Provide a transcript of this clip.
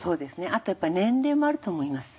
あとやっぱ年齢もあると思います。